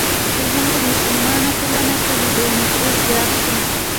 د هند په مسلمانه ټولنه کې د دوی نفوذ زیات شو.